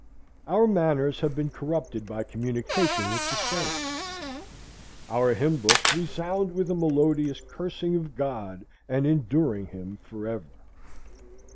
Our manners have been corrupted by communication with the saints. Our hymn books resound with a melodious cursing of God and enduring him forever.